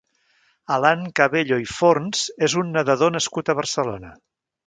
Alan Cabello i Forns és un nedador nascut a Barcelona.